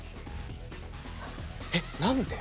えっ？何で？